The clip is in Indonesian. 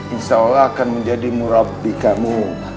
insya allah akan menjadi murabi kamu